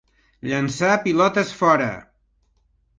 Llançar pilotes fora.